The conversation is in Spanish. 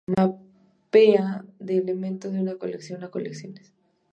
Mapea de elementos de una colección a colecciones.